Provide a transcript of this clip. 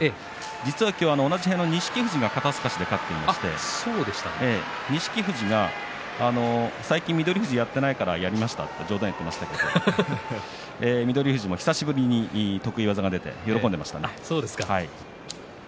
実は今日、同じ部屋の錦富士が肩すかしで勝っていまして錦富士が最近、翠富士がやっていないからやりましたと冗談を言っていましたけれども翠富士も久しぶりに得意技が出て喜んでいましたね。